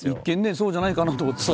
そうじゃないかなと思ってたら。